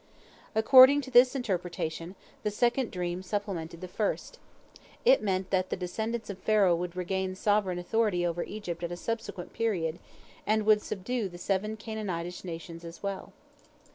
According to this interpretation, the second dream supplemented the first. It meant that the descendants of Pharaoh would regain sovereign authority over Egypt at a subsequent period, and would subdue the seven Canaanitish nations as well.